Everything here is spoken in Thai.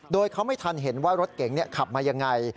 โดยเขาไม่ทันเห็นว่ารถเก๋งขับมายังไง